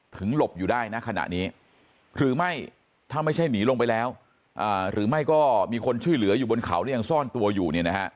หลบอยู่ได้นะขณะนี้หรือไม่ถ้าไม่ใช่หนีลงไปแล้วหรือไม่ก็มีคนช่วยเหลืออยู่บนเขาแล้วยังซ่อนตัวอยู่เนี่ยนะฮะ